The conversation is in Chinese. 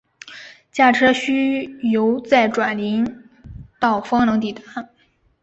驾车需由再转林道方能抵达。